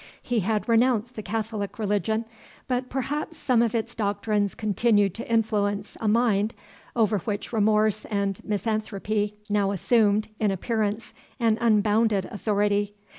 He had renounced the Catholic religion, but perhaps some of its doctrines continued to influence a mind, over which remorse and misanthropy now assumed, in appearance, an unbounded authority.